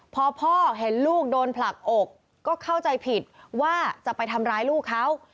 พอพ่อเห็นลูกโดนผลักอกก็เข้าใจผิดว่าจะไปทำร้ายลูกเขา